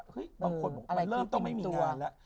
เฮ้ยบางคนบอกมันเริ่มต้องไม่มีงานละ